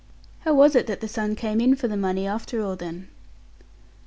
"How was it that the son came in for the money after all, then?"